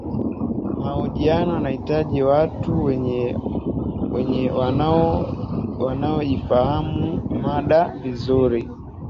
mahojiano yanahitaji watu wenye wanaoifahamu mada vizuri